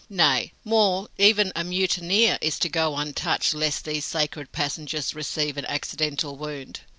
Nay, more even a mutineer is to go untouched lest these sacred passengers receive an accidental wound."